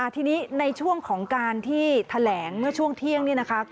ทีนี้ในช่วงของการที่แถลงเมื่อช่วงเที่ยงนี่นะคะ